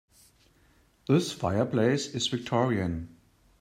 This fireplace is victorian.